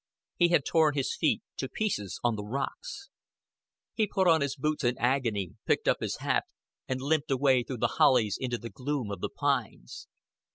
He had torn his feet to pieces on the rocks. He put on his boots in agony, picked up his hat, and limped away through the hollies into the gloom of the pines.